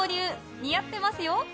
似合ってますよ！